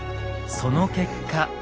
その結果。